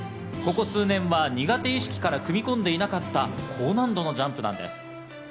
ここ数年は苦手意識から組み込んでいなかった高難度のジャンプなんです。